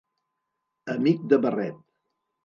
Amic de barret.